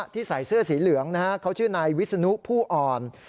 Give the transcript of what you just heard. ใส่เสื้อสีเหลืองเขาชื่อนายวิศนุผู้อ่อน